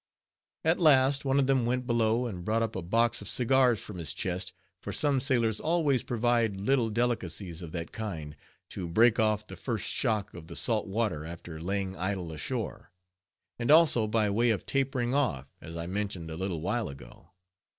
At last one of them went below and brought up a box of cigars from his chest, for some sailors always provide little delicacies of that kind, to break off the first shock of the salt water after laying idle ashore; and also by way of tapering off, as I mentioned a little while ago.